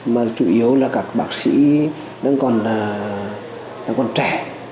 mà chủ yếu là các bác sĩ đang còn trẻ